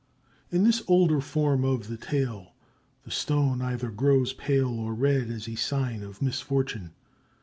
In this older form of the tale, the stone either grows pale or red as a sign of misfortune.